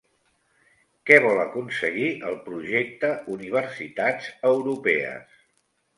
Què vol aconseguir el projecte Universitats Europees?